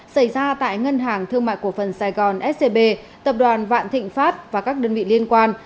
xảy ra tại ngân hàng thương mại cổ phần sài gòn scb tập đoàn vạn thịnh pháp và các đơn vị liên quan